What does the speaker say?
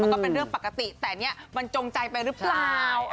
ก็เป็นเรื่องปกติแต่เนี่ยมันจงใจไปหรือเปล่า